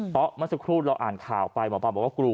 เพราะเมื่อสักครู่เราอ่านข่าวไปหมอปลาบอกว่ากลัว